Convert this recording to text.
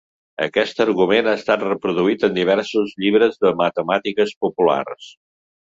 Aquest argument ha estat reproduït en diversos llibres de matemàtiques populars.